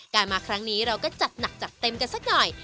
มาครั้งนี้เราก็จัดหนักจัดเต็มกันสักหน่อย